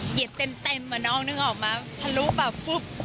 เหยียดเต็มเหมือนนอกนึงออกมาพรุปแบบฟึบ